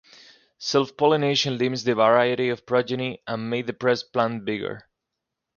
Self-pollination limits the variety of progeny and may depress plant vigor.